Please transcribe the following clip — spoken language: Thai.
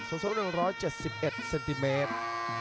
สูง๑๗๑เซนติเมตร